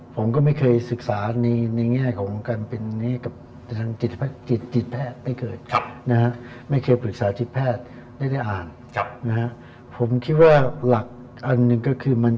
ผมก็ไม่เคยศึกษาในแง่ของการเป็น